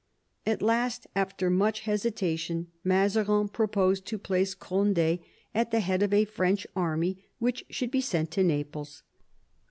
At last, after much hesitation, Mazarin proposed to place Cond^ at the head of a French army which should be sent to Naples.